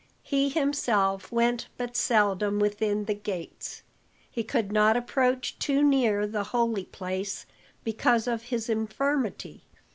He himself went but seldom within the gates. He could not approach too near the Holy Place because of his infirmity.